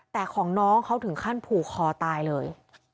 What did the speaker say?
แต่ของน้องเขาถึงขั้นผูกคอตายเลย